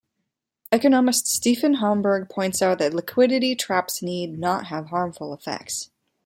Economist Stefan Homburg points out that liquidity traps need not have harmful effects.